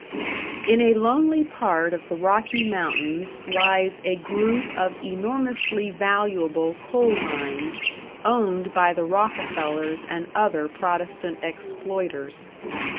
In a lonely part of the Rocky Mountains lies a group of enormously valuable coal mines owned by the Rockefellers and other Protestant exploiters.